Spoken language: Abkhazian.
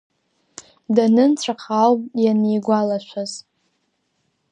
Данынцәаха ауп ианигәалашәаз.